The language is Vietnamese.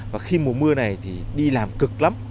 và khi mùa mưa này thì đi làm cực lắm